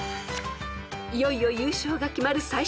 ［いよいよ優勝が決まる最終問題］